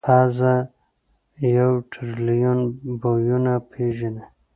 پزه یو ټریلیون بویونه پېژني.